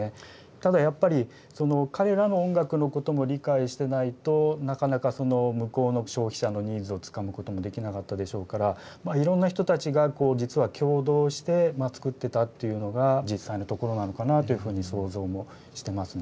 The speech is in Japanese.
ただやっぱりその彼らの音楽のことも理解してないとなかなか向こうの消費者のニーズをつかむこともできなかったでしょうからいろんな人たちが実は共同して作ってたっていうのが実際のところなのかなというふうに想像もしてますね。